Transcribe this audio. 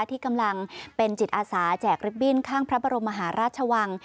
ที่กำลังเป็นจิตอาสาแจกริบบิ้นข้างพระบรมมหาราชวัง